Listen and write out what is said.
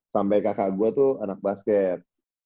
sampai kakak gue tuh anak basket